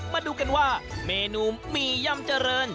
มาดูกันเมนูมียำเจอริญ